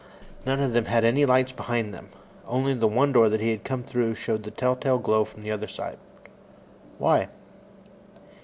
None of them had any lights behind them. Only the one door that he had come through showed the telltale glow from the other side. Why?